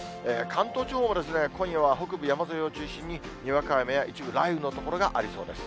関東地方も今夜は北部山沿いを中心に、にわか雨や、一部雷雨の所がありそうです。